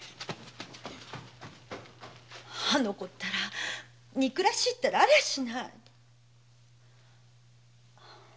あの子ったら憎らしいったらありゃしない。